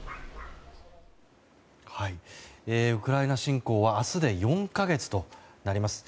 ウクライナ侵攻は明日で４か月となります。